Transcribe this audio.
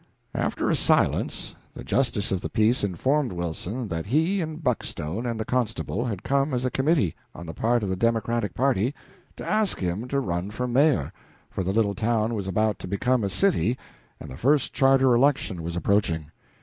After a silence the justice of the peace informed Wilson that he and Buckstone and the constable had come as a committee, on the part of the Democratic party, to ask him to run for mayor for the little town was about to become a city and the first charter election was approaching.